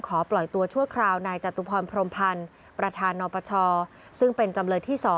ปล่อยตัวชั่วคราวนายจตุพรพรมพันธ์ประธานนปชซึ่งเป็นจำเลยที่๒